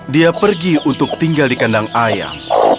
dia pergi untuk tinggal di kandang ayam